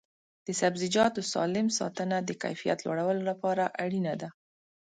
د سبزیجاتو سالم ساتنه د کیفیت لوړولو لپاره اړینه ده.